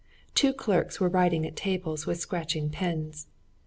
Two clerks were writing at tables with scratching pens.